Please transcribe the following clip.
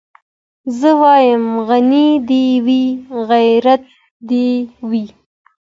زه وايم غني دي وي غيرت دي وي